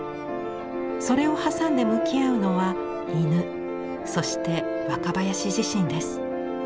それを挟んで向き合うのは犬そして若林自身です。